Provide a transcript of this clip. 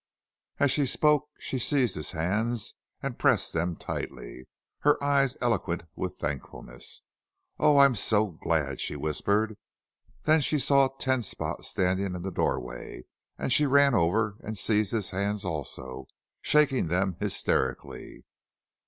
As she spoke she seized his hands and pressed them tightly, her eyes eloquent with thankfulness. "Oh, I am so glad!" she whispered. Then she saw Ten Spot standing in the doorway and she ran over and seized his hands also, shaking them hysterically.